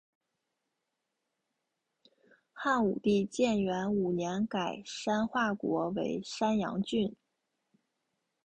汉武帝建元五年改山划国为山阳郡。